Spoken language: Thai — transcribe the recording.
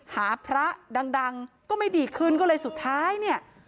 หาพระดังก็ไม่ดีขึ้นก็เลยสุดท้ายเนี่ย